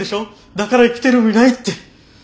だから生きてる意味ないって。